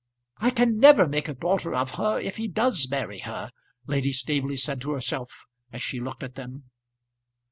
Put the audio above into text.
"I can never make a daughter of her if he does marry her," Lady Staveley said to herself, as she looked at them.